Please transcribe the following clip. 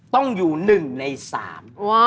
ต้องอยู่หนึ่งในสาม